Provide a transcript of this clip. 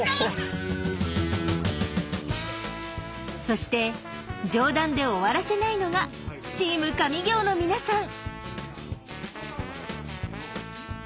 そして冗談で終わらせないのが「チーム上京！」の皆さん。